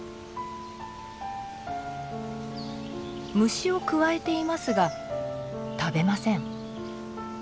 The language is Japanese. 虫をくわえていますが食べません。